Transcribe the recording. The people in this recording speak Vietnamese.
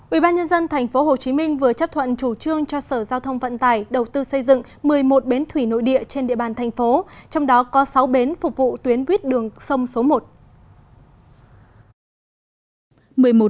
ubnd tp hcm vừa chấp thuận chủ trương cho sở giao thông vận tải đầu tư xây dựng một mươi một bến thủy nội địa trên địa bàn thành phố trong đó có sáu bến phục vụ tuyến buýt đường sông số một